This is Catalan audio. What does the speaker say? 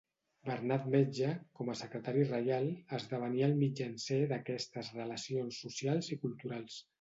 Bernat Metge, com a secretari reial, esdevenia el mitjancer d'aquestes relacions socials i culturals.